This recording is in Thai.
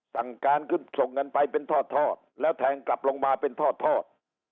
สั่งการขึ้นส่งเงินไปเป็นทอดแล้วแทงกลับลงมาเป็นทอด